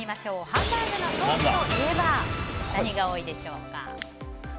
ハンバーグのソースといえば何が多いでしょうか。